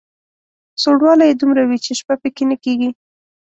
سوړوالی یې دومره وي چې شپه په کې نه کېږي.